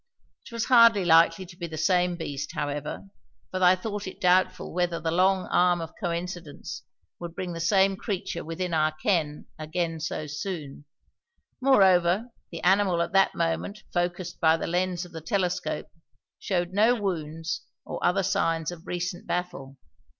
It was hardly likely to be the same beast, however, for I thought it doubtful whether the long arm of coincidence would bring the same creature within our ken again so soon; moreover the animal at that moment focused by the lenses of the telescope showed no wounds or other signs of recent battle.